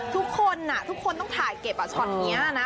ทุกคนทุกคนต้องถ่ายเก็บช็อตนี้นะ